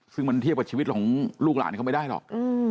ซึ่งมันเทียบกับชีวิตของลูกหลานเขาไม่ได้หรอก